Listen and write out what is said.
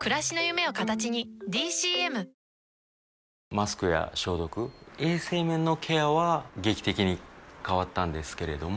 マスクや消毒衛生面のケアは劇的に変わったんですけれども